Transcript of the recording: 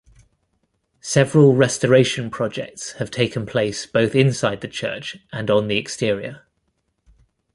Several restoration projects have taken place both inside the church and on the exterior.